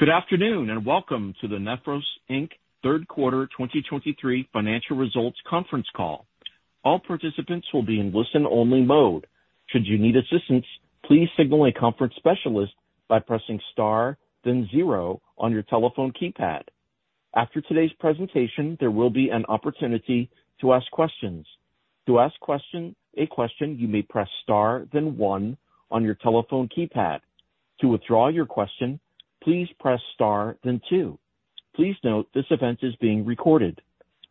Good afternoon, and welcome to the Nephros Inc. third quarter 2023 financial results conference call. All participants will be in listen-only mode. Should you need assistance, please signal a conference specialist by pressing star, then zero on your telephone keypad. After today's presentation, there will be an opportunity to ask questions. To ask a question, you may press star, then one on your telephone keypad. To withdraw your question, please press star, then two. Please note, this event is being recorded.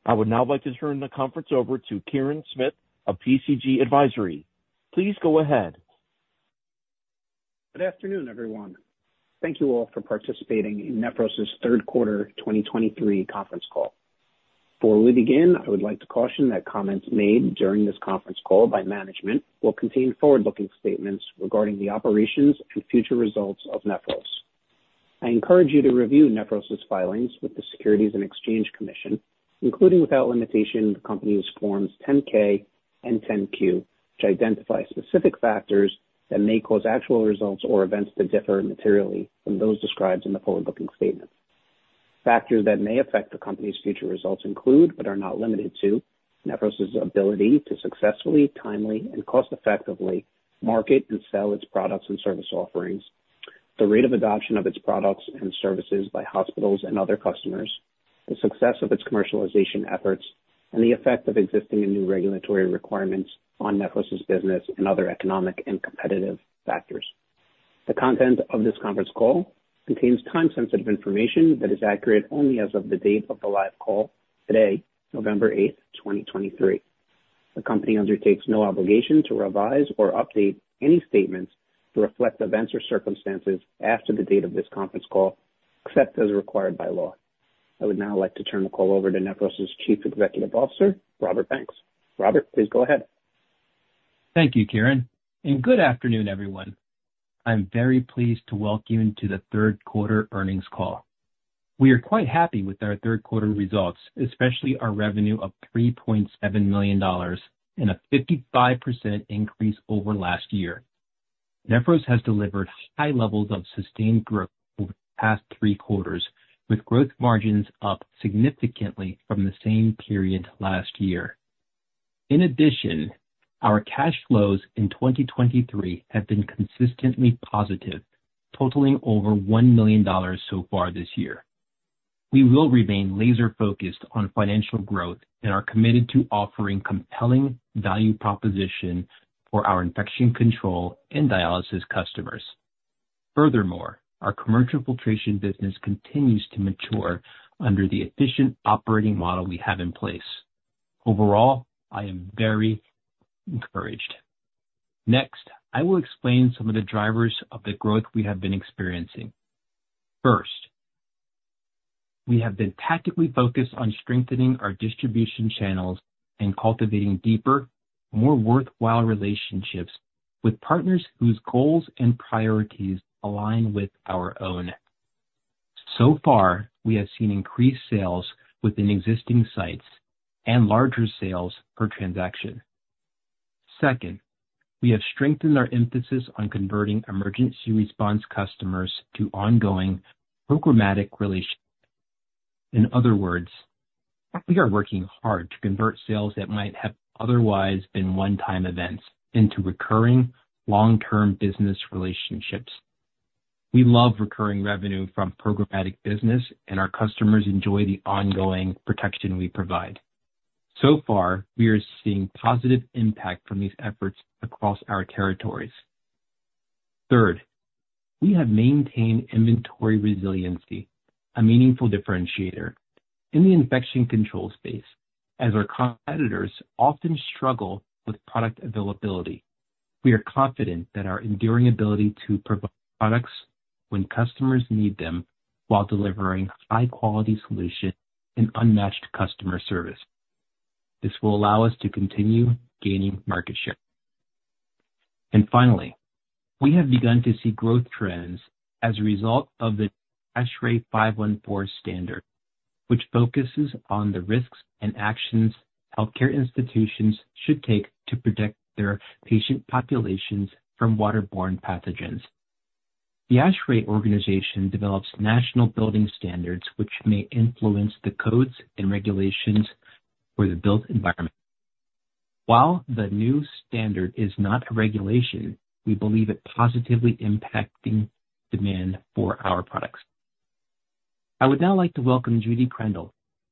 I would now like to turn the conference over to Kirin Smith of PCG Advisory. Please go ahead. Good afternoon, everyone. Thank you all for participating in Nephros' third quarter 2023 conference call. Before we begin, I would like to caution that comments made during this conference call by management will contain forward-looking statements regarding the operations and future results of Nephros. I encourage you to review Nephros' filings with the Securities and Exchange Commission, including, without limitation, the company's Forms 10-K and 10-Q, which identify specific factors that may cause actual results or events to differ materially from those described in the forward-looking statement. Factors that may affect the company's future results include, but are not limited to, Nephros' ability to successfully, timely, and cost-effectively market and sell its products and service offerings, the rate of adoption of its products and services by hospitals and other customers, the success of its commercialization efforts, and the effect of existing and new regulatory requirements on Nephros' business and other economic and competitive factors. The content of this conference call contains time-sensitive information that is accurate only as of the date of the live call, today, November eighth, 2023. The company undertakes no obligation to revise or update any statements to reflect events or circumstances after the date of this conference call, except as required by law. I would now like to turn the call over to Nephros' Chief Executive Officer, Robert Banks. Robert, please go ahead. Thank you, Kirin, and good afternoon, everyone. I'm very pleased to welcome you to the third quarter earnings call. We are quite happy with our third quarter results, especially our revenue of $3.7 million and a 55% increase over last year. Nephros has delivered high levels of sustained growth over the past three quarters, with gross margins up significantly from the same period last year. In addition, our cash flows in 2023 have been consistently positive, totaling over $1 million so far this year. We will remain laser-focused on financial growth and are committed to offering compelling value proposition for our infection control and dialysis customers. Furthermore, our commercial filtration business continues to mature under the efficient operating model we have in place. Overall, I am very encouraged. Next, I will explain some of the drivers of the growth we have been experiencing. First, we have been tactically focused on strengthening our distribution channels and cultivating deeper, more worthwhile relationships with partners whose goals and priorities align with our own. So far, we have seen increased sales within existing sites and larger sales per transaction. Second, we have strengthened our emphasis on converting emergency response customers to ongoing programmatic relationships. In other words, we are working hard to convert sales that might have otherwise been one-time events into recurring, long-term business relationships. We love recurring revenue from programmatic business, and our customers enjoy the ongoing protection we provide. So far, we are seeing positive impact from these efforts across our territories. Third, we have maintained inventory resiliency, a meaningful differentiator in the infection control space, as our competitors often struggle with product availability. We are confident that our enduring ability to provide products when customers need them while delivering high-quality solution and unmatched customer service. This will allow us to continue gaining market share. And finally, we have begun to see growth trends as a result of the ASHRAE 514 standard, which focuses on the risks and actions healthcare institutions should take to protect their patient populations from waterborne pathogens. The ASHRAE organization develops national building standards, which may influence the codes and regulations for the built environment. While the new standard is not a regulation, we believe it positively impacting demand for our products. I would now like to welcome Judy Krandel,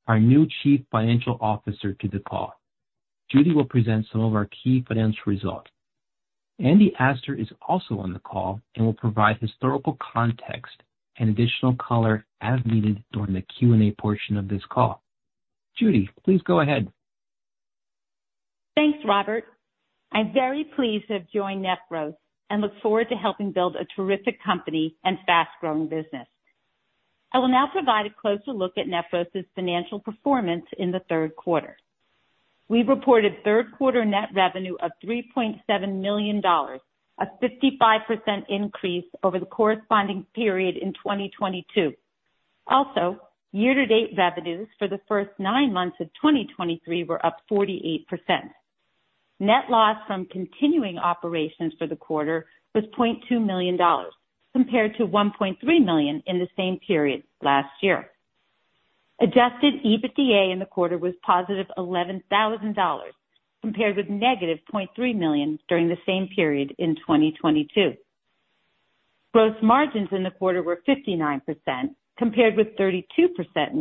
our new Chief Financial Officer, to the call. Judy will present some of our key financial results. Andy Astor is also on the call and will provide historical context and additional color as needed during the Q&A portion of this call. Judy, please go ahead. Thanks, Robert. I'm very pleased to have joined Nephros and look forward to helping build a terrific company and fast-growing business. I will now provide a closer look at Nephros' financial performance in the third quarter. We reported third-quarter net revenue of $3.7 million, a 55% increase over the corresponding period in 2022. Also, year-to-date revenues for the first nine months of 2023 were up 48%....Net loss from continuing operations for the quarter was $0.2 million, compared to $1.3 million in the same period last year. Adjusted EBITDA in the quarter was positive $11,000, compared with negative $0.3 million during the same period in 2022. Gross margins in the quarter were 59%, compared with 32% in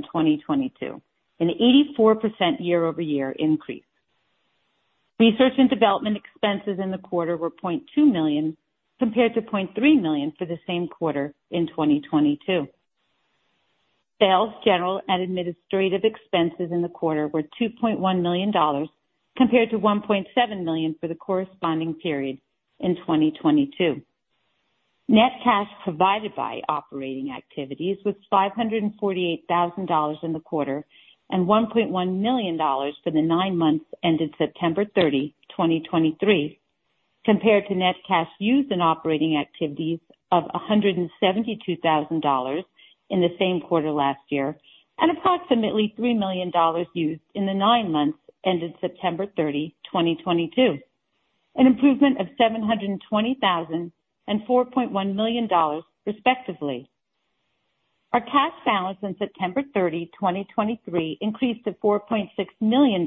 2022, an 84% year-over-year increase. Research and development expenses in the quarter were $0.2 million, compared to $0.3 million for the same quarter in 2022. Sales, general, and administrative expenses in the quarter were $2.1 million, compared to $1.7 million for the corresponding period in 2022. Net cash provided by operating activities was $548,000 in the quarter, and $1.1 million for the nine months ended September 30, 2023, compared to net cash used in operating activities of $172,000 in the same quarter last year, and approximately $3 million used in the nine months ended September 30, 2022, an improvement of $720,000 and $4.1 million, respectively. Our cash balance on September 30, 2023, increased to $4.6 million,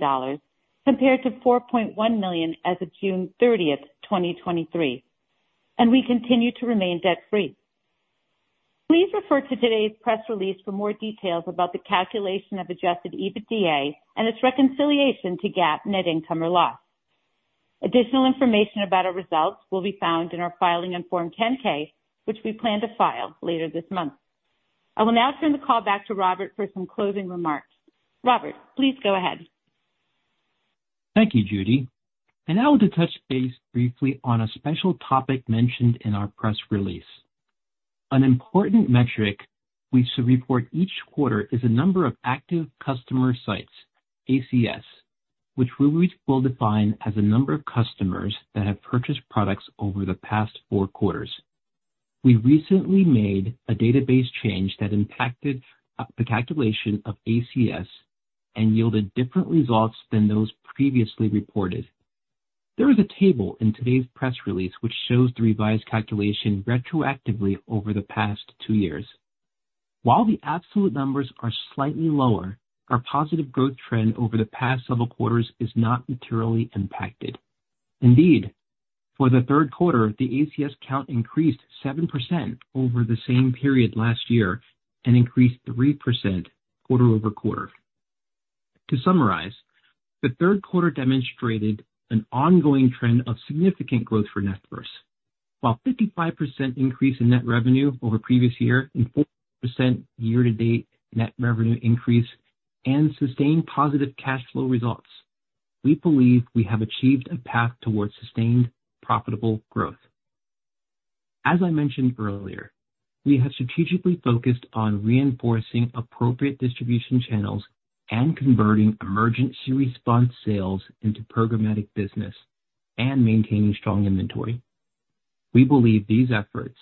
compared to $4.1 million as of June 30, 2023, and we continue to remain debt-free. Please refer to today's press release for more details about the calculation of Adjusted EBITDA and its reconciliation to GAAP net income or loss. Additional information about our results will be found in our filing on Form 10-K, which we plan to file later this month. I will now turn the call back to Robert for some closing remarks. Robert, please go ahead. Thank you, Judy. I now want to touch base briefly on a special topic mentioned in our press release. An important metric we should report each quarter is the number of active customer sites, ACS, which we will define as the number of customers that have purchased products over the past four quarters. We recently made a database change that impacted the calculation of ACS and yielded different results than those previously reported. There is a table in today's press release which shows the revised calculation retroactively over the past two years. While the absolute numbers are slightly lower, our positive growth trend over the past several quarters is not materially impacted. Indeed, for the third quarter, the ACS count increased 7% over the same period last year and increased 3% quarter-over-quarter. To summarize, the third quarter demonstrated an ongoing trend of significant growth for Nephros. While 55% increase in net revenue over the previous year and 40% year-to-date net revenue increase and sustained positive cash flow results, we believe we have achieved a path towards sustained profitable growth. As I mentioned earlier, we have strategically focused on reinforcing appropriate distribution channels and converting emergency response sales into programmatic business and maintaining strong inventory. We believe these efforts,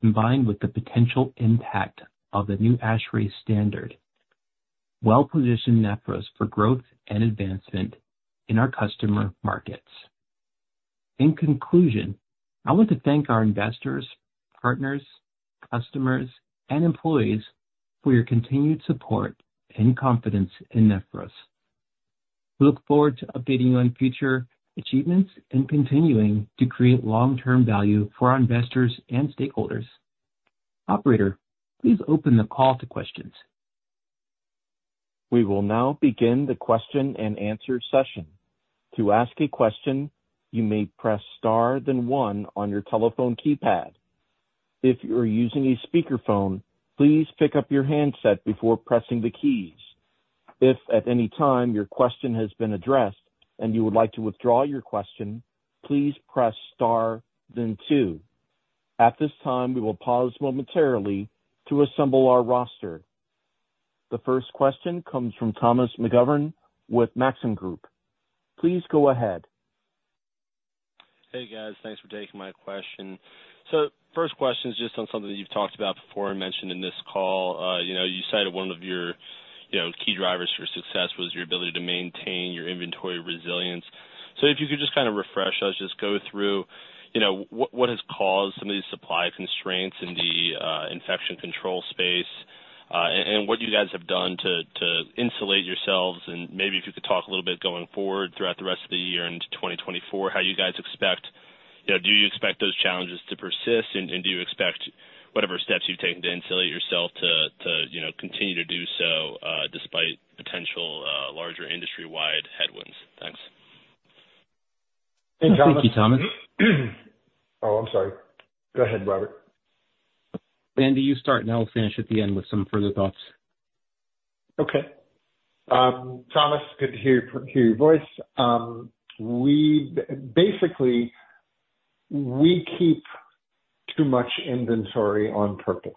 combined with the potential impact of the new ASHRAE standard, well position Nephros for growth and advancement in our customer markets. In conclusion, I want to thank our investors, partners, customers, and employees for your continued support and confidence in Nephros. We look forward to updating you on future achievements and continuing to create long-term value for our investors and stakeholders. Operator, please open the call to questions. We will now begin the question-and-answer session. To ask a question, you may press star then one on your telephone keypad. If you are using a speakerphone, please pick up your handset before pressing the keys. If at any time your question has been addressed and you would like to withdraw your question, please press star then two. At this time, we will pause momentarily to assemble our roster. The first question comes from Thomas McGovern with Maxim Group. Please go ahead. Hey, guys. Thanks for taking my question. So first question is just on something that you've talked about before and mentioned in this call. You know, you cited one of your, you know, key drivers for success was your ability to maintain your inventory resilience. So if you could just kind of refresh us, just go through, you know, what has caused some of these supply constraints in the infection control space, and what you guys have done to insulate yourselves. And maybe if you could talk a little bit going forward throughout the rest of the year into 2024, how you guys expect... You know, do you expect those challenges to persist, and do you expect whatever steps you've taken to insulate yourself to continue to do so, despite potential larger industry-wide headwinds? Thanks. Thank you, Thomas. Oh, I'm sorry. Go ahead, Robert. Andy, you start, and I'll finish at the end with some further thoughts. Okay. Thomas, good to hear your voice. We basically keep too much inventory on purpose.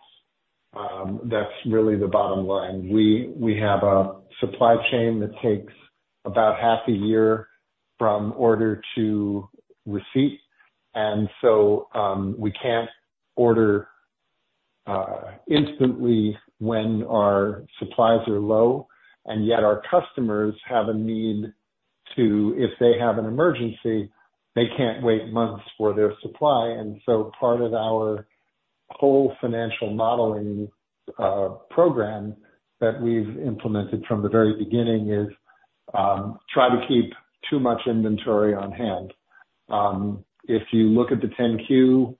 That's really the bottom line. We have a supply chain that takes about half a year from order to receipt, and so, we can't order- Instantly when our supplies are low, and yet our customers have a need to, if they have an emergency, they can't wait months for their supply. And so part of our whole financial modeling program that we've implemented from the very beginning is try to keep too much inventory on hand. If you look at the 10-Q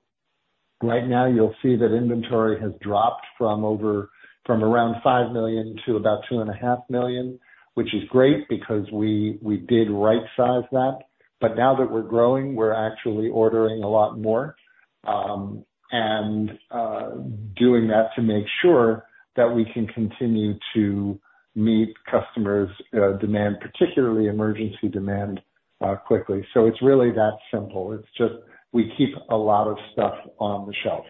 right now, you'll see that inventory has dropped from around $5 million to about $2.5 million, which is great because we, we did right size that. But now that we're growing, we're actually ordering a lot more and doing that to make sure that we can continue to meet customers demand, particularly emergency demand, quickly. So it's really that simple. It's just we keep a lot of stuff on the shelf.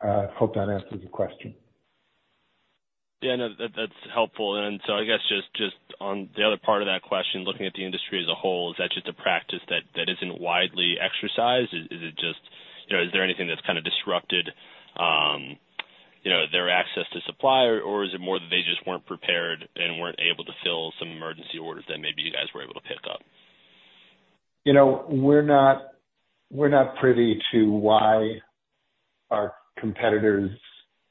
I hope that answers your question. Yeah, no, that's helpful. So I guess just on the other part of that question, looking at the industry as a whole, is that just a practice that isn't widely exercised? Is it just, you know, is there anything that's kind of disrupted their access to supply, or is it more that they just weren't prepared and weren't able to fill some emergency orders that maybe you guys were able to pick up? You know, we're not, we're not privy to why our competitors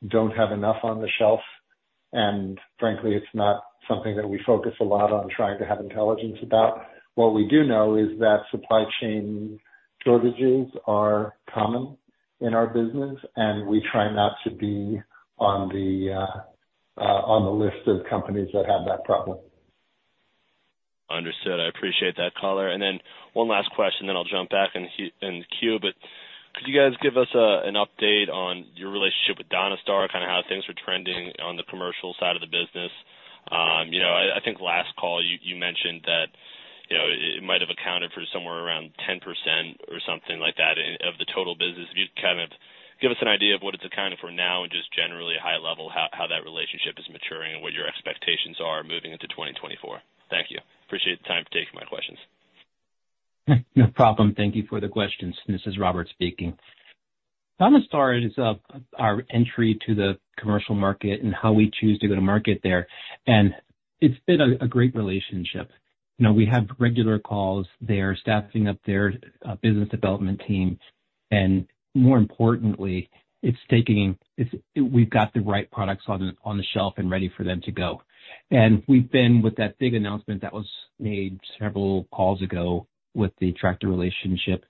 don't have enough on the shelf. And frankly, it's not something that we focus a lot on, trying to have intelligence about. What we do know is that supply chain shortages are common in our business, and we try not to be on the list of companies that have that problem. Understood. I appreciate that, caller. And then one last question, then I'll jump back in in the queue. But could you guys give us an update on your relationship with Donastar, kind of how things are trending on the commercial side of the business? You know, I think last call you mentioned that, you know, it might have accounted for somewhere around 10% or something like that of the total business. If you kind of give us an idea of what it's accounting for now, and just generally high level, how that relationship is maturing and what your expectations are moving into 2024. Thank you. Appreciate the time to take my questions. No problem. Thank you for the questions. This is Robert speaking. Donastar is our entry to the commercial market and how we choose to go to market there, and it's been a great relationship. You know, we have regular calls. They're staffing up their business development team, and more importantly, it's taking. We've got the right products on the shelf and ready for them to go. And we've been with that big announcement that was made several calls ago with the Tractor relationship.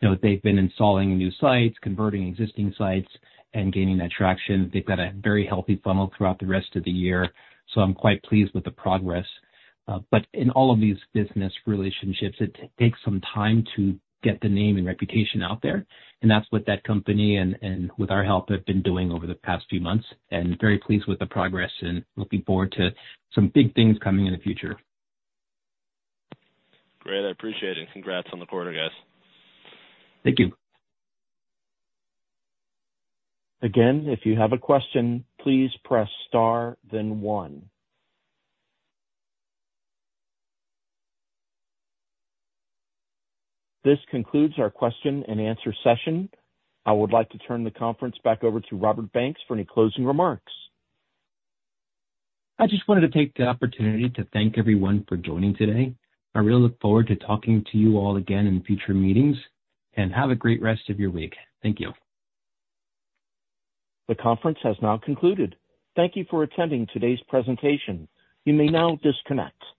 You know, they've been installing new sites, converting existing sites and gaining that traction. They've got a very healthy funnel throughout the rest of the year, so I'm quite pleased with the progress. But in all of these business relationships, it takes some time to get the name and reputation out there, and that's what that company and with our help have been doing over the past few months. Very pleased with the progress and looking forward to some big things coming in the future. Great. I appreciate it, and congrats on the quarter, guys. Thank you. Again, if you have a question, please press star, then one. This concludes our question and answer session. I would like to turn the conference back over to Robert Banks for any closing remarks. I just wanted to take the opportunity to thank everyone for joining today. I really look forward to talking to you all again in future meetings, and have a great rest of your week. Thank you. The conference has now concluded. Thank you for attending today's presentation. You may now disconnect.